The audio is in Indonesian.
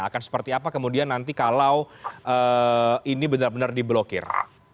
akan seperti apa kemudian nanti kalau ini benar benar diblokir